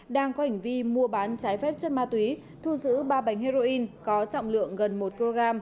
đang có hành vi mua bán trái phép chất ma túy thu giữ ba bánh heroin có trọng lượng gần một kg